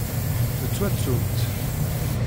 Tettwattumt.